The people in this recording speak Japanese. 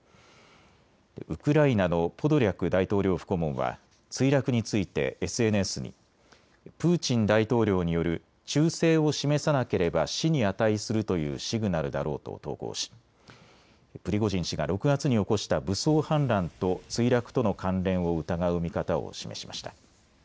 ウクライナのポドリャク大統領府顧問は墜落についてＳＮＳにプーチン大統領による忠誠を示さなければ死に値するというシグナルだろうと投稿しプリゴジン氏が６月に起こした武装反乱と墜落との関連を疑う見方を示しました。